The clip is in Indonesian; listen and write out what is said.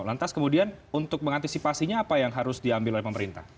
lantas kemudian untuk mengantisipasinya apa yang harus diambil oleh pemerintah